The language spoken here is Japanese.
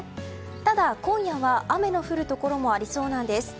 ただ、今夜は雨の降るところもありそうなんです。